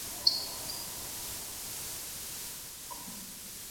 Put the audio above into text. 各地旅行社在做好疫情防控的同时应严格落实复工复产安全措施